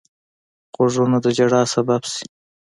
غوږونه د ژړا سبب شي